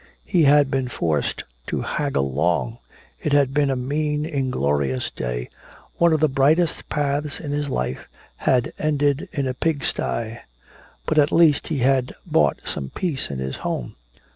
He had been forced to haggle long; it had been a mean inglorious day; one of the brightest paths in his life had ended in a pigstie. But at least he had bought some peace in his home!